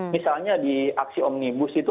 misalnya di aksi omnibus itu